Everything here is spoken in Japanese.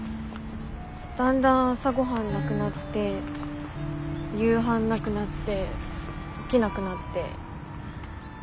だんだん朝ごはんなくなって夕飯なくなって起きなくなって。